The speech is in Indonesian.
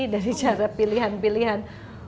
dari cara pilihan pilihan